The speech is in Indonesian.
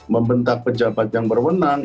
membentak pejabat yang berwenang